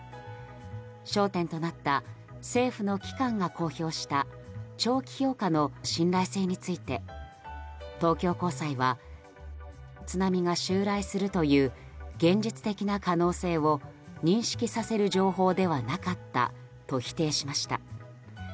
焦点となった政府の機関が公表した長期評価の信頼性について東京高裁は津波が襲来するという現実的な可能性を認識させる情報ではなかったと否定しました。